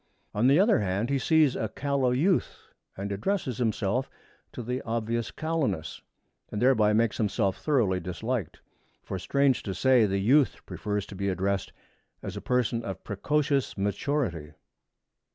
On the other hand, he sees a callow youth and addresses himself to the obvious callowness, and thereby makes himself thoroughly disliked. For, strange to say, the youth prefers to be addressed as a person of precocious maturity.